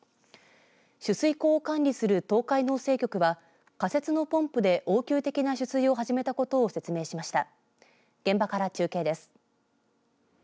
取水口を管理する東海農政局は仮設のポンプで応急的な取水を始めたことを説明しました。